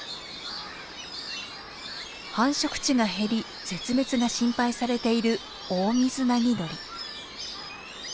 繁殖地が減り絶滅が心配されているオオミズナギドリ。